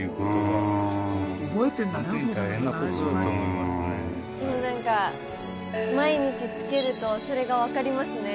でもなんか毎日つけるとそれがわかりますね。